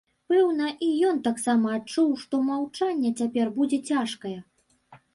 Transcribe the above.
Пэўна, і ён таксама адчуў, што маўчанне цяпер будзе цяжкае.